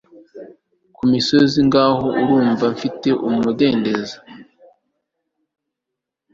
Ku misozi ngaho urumva ufite umudendezo